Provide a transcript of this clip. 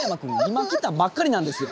今来たばっかりなんですよ。